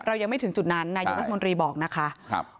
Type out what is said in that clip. เรายังไม่ถึงจุดนั้นนายุทธมนตรีบอกนะคะครับ